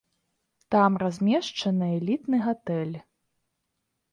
Там размешчаны элітны гатэль.